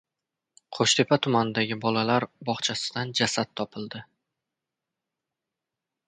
Qo‘shtepa tumanidagi bolalar bog‘chasidan jasad topildi